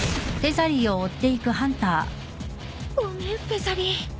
ごめんフェザリー。